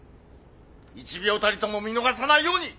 １秒たりとも見逃さないように！